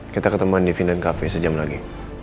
kita ketemuan di finland cafe sejam lagi